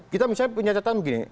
kita misalnya punya catatan begini